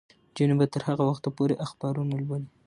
نجونې به تر هغه وخته پورې اخبارونه لولي.